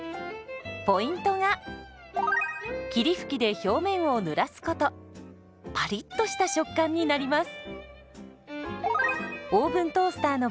ポイントがパリッとした食感になります。